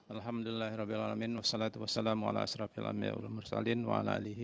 alhamdulillahirrahmanirrahim wassalatu wassalamu'alaikum warahmatullahi wabarakatuh